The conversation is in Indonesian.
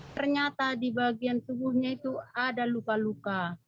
ternyata di bagian tubuhnya itu ada luka luka